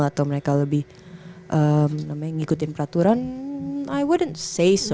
atau mereka lebih ngikutin peraturan i wouldn't say so